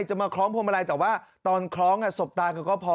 จะมาคล้องพวงมาลัยแต่ว่าตอนคล้องสบตาก็พอ